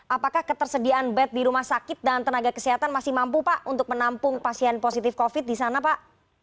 apakah ketersediaan bed di rumah sakit dan tenaga kesehatan masih mampu pak untuk menampung pasien positif covid di sana pak